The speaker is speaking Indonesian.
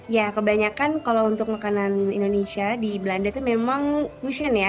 ya kebanyakan kalau untuk makanan indonesia di belanda itu memang fusion ya